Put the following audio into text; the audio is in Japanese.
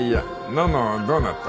のんのどうなった？